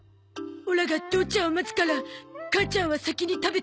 オラが父ちゃんを待つから母ちゃんは先に食べて。